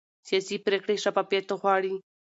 سیاسي پرېکړې شفافیت غواړي